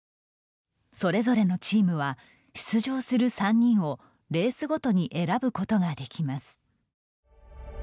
それぞれのチームは出場する３人をレースごとに選ぶことができます。